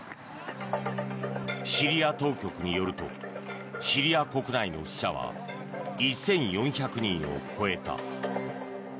シリア当局によるとシリア国内の死者は１４００人を超えた。